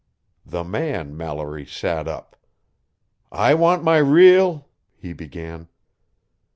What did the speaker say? The man Mallory sat up. "I want my real " he began.